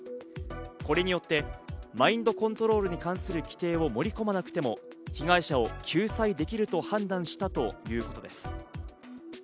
これによってマインドコントロールに関する規定を盛り込まなくても、被害者を救済できると判断したということです。